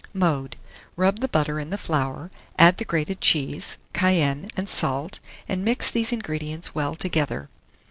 Mode. Rub the butter in the flour; add the grated cheese, cayenne. and salt; and mix these ingredients well together.